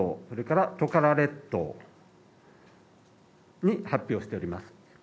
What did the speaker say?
それから、トカラ列島に発表しております。